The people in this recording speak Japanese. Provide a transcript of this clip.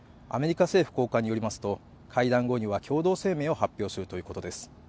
アメリカ政府高官によりますと会談後には共同声明を発表するということです